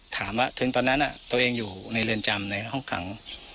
ถามว่าถึงตอนนั้นตัวเองอยู่ในเรือนจำในห้องขัง